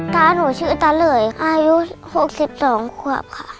ตาหนูชื่อตาเหลยอายุ๖๒ขวบค่ะ